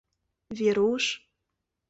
Веруш...